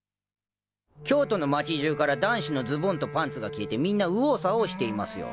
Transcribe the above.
［京都の街じゅうから男子のズボンとパンツが消えてみんな右往左往していますよ］